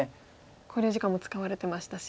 考慮時間も使われてましたし。